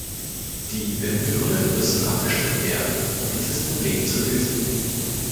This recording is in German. Die Bemühungen müssen abgestimmt werden, um dieses Problem zu lösen.